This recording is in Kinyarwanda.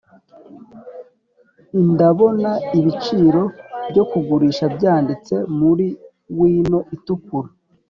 ndabona ibiciro byo kugurisha byanditse muri wino itukura.